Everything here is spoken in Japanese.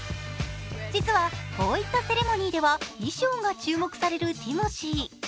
実はこういったセレモニーでは衣装が注目されるティモシー。